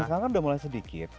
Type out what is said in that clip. sekarang kan udah mulai sedikit